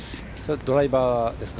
ドライバーですか？